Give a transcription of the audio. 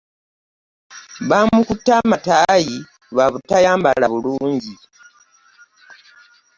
Bamukutte amatayi lwa butayambala bulungi.